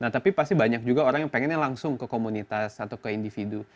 nah tapi pasti banyak juga orang yang pengennya langsung ke komunitas atau ke individu